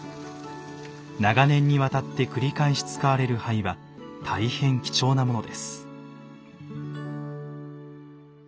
長年にわたって繰り返し使われる灰は大変貴重なものです。